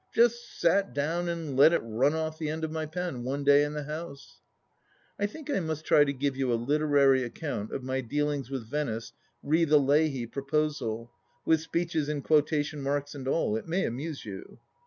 Just sat down and let it run off the end of my pen, one day in the house ! I think I must try to give you a literary account of my dealings with Venice re the Leahy proposal, with speeches and quotation marks and all ! It may amuse you.